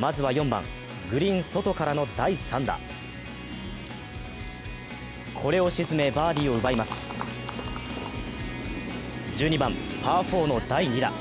まずは４番、グリーン外からの第３打これを沈め、バーディーを奪います１２番パー４の第２打。